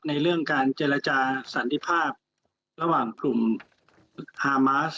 ในเรื่องการเจรจาสันติภาพระหว่างกลุ่มฮามาส